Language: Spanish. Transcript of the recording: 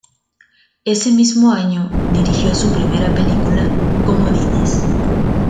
Ese mismo año dirigió su primera película, "Comodines".